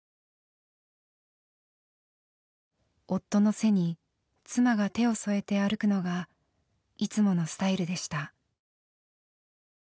夫の背に妻が手を添えて歩くのがいつものスタイルでした。